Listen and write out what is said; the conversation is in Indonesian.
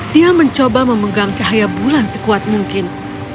dia mencoba memegang cahaya bulan sekuat mungkin